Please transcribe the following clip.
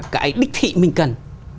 cái đích thị mình cần